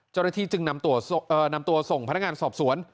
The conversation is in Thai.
เจ้าหน้าที่จึงนำตัวส่งพนักงานสอบสวน